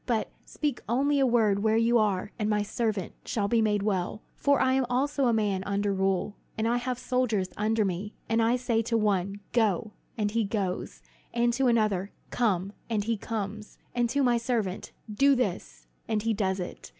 But speak only a word where you are, and my servant shall be made well. For I also am a man under rule, and I have soldiers under me; and I say to one 'Go,' and he goes; and to another, 'Come,' and he comes; and to my servant, 'Do this,' and he does it.